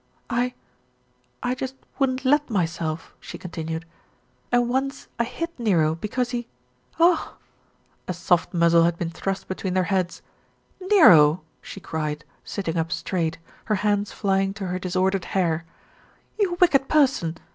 "I, I just wouldn't let myself," she continued, "and once I hit Nero because he oh !" A soft muzzle had been thrust between their heads. "Nero!" she cried, sitting up straight, her hands flying to her disordered hair. "You wicked person